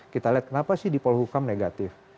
kita lihat kenapa sih di polhukam negatif